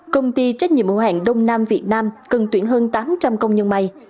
công ty trách nhiệm ưu hạn đông nam việt nam cần tuyển hơn tám trăm linh công nhân may